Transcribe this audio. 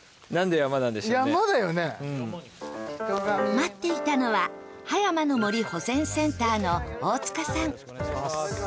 待っていたのは、葉山の森保全センターの大塚さん。